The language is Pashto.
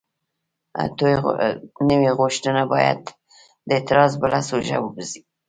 نوې غوښتنه باید د اعتراض بله سوژه وګرځي.